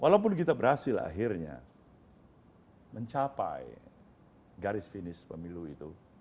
walaupun kita berhasil akhirnya mencapai garis finish pemilu itu